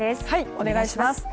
お願いします。